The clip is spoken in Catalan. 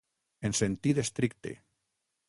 En sentit estricte.